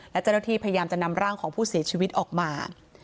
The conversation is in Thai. และเจ้าหน้าที่พยายามจะนำร่างของผู้เสียชีวิตออกมา